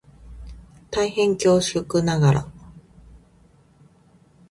大変恐縮ながら